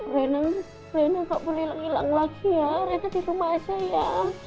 rena ga boleh ilang ilang lagi ya rena di rumah aja ya